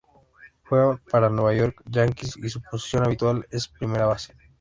Juega para New York Yankees y su posición habitual es primera base.